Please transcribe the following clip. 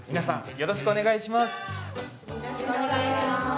よろしくお願いします。